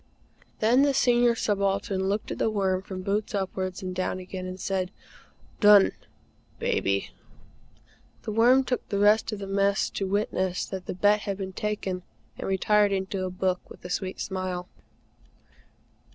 Then the Senior Subaltern looked at The Worm from the boots upwards, and down again, and said, "Done, Baby." The Worm took the rest of the Mess to witness that the bet had been taken, and retired into a book with a sweet smile.